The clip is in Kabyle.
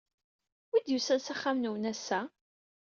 Wi d-yusan s axxam-nnwen ass-a?